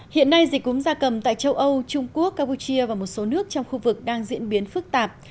hiện nay dịch cúm gia cầm tại châu âu trung quốc campuchia và một số nước trong khu vực đang diễn biến phức tạp